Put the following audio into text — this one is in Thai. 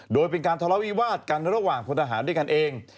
โดยเป็นการทะเลาะวิวาดกันระหว่างพลทหารด้วยกันเอง